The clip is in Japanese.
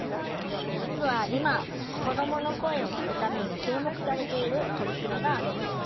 実は今子どもの声を聴くために注目されている取り組みがあるんです。